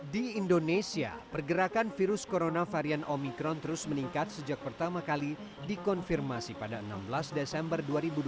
di indonesia pergerakan virus corona varian omikron terus meningkat sejak pertama kali dikonfirmasi pada enam belas desember dua ribu dua puluh